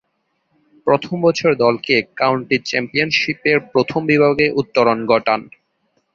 প্রথম বছরে দলকে কাউন্টি চ্যাম্পিয়নশীপের প্রথম বিভাগে উত্তরণ ঘটান।